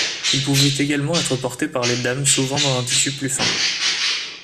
Il pouvait également être porté par les dames souvent dans un tissu plus fin.